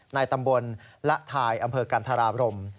ในตำบลละทายอำเภอกันธราบรม